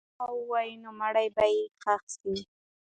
که دوی ښه ووایي، نو مړی به یې ښخ سي.